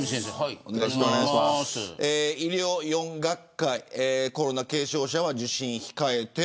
医療４学会、コロナ軽症者は受診を控えて。